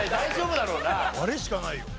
あれしかない。